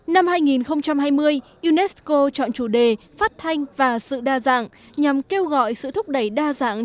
năm hai nghìn hai mươi unesco chọn chủ đề phát thanh và sự đa dạng nhằm kêu gọi sự thúc đẩy đa dạng